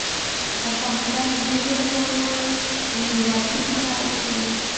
افغانستان د ژبو له پلوه له هېوادونو سره اړیکې لري.